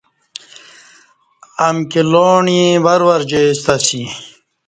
امکی لوݨے ور ور جائی ستہ اسی